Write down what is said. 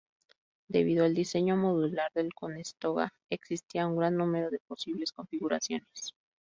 Debido al diseño modular del Conestoga existía un gran número de posibles configuraciones.